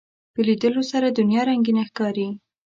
په لیدلو سره دنیا رنگینه ښکاري